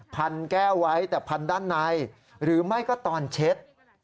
พันแก้วไว้แต่พันด้านในหรือไม่ก็ตอนเช็ด